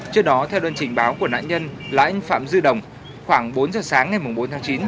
trước đó theo đơn trình báo của nạn nhân là anh phạm dư đồng khoảng bốn giờ sáng ngày bốn tháng chín